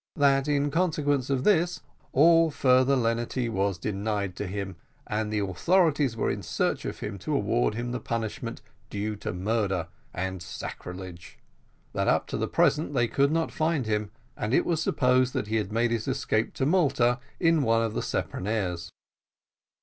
That, in consequence of this, all further lenity was denied to him, and that the authorities were in search of him to award him the punishment due to murder and sacrilege. That up to the present they could not find him, and it was supposed that he had made his escape to Malta in one of the speronares.